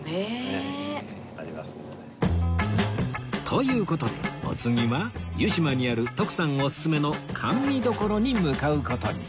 という事でお次は湯島にある徳さんおすすめの甘味処に向かう事に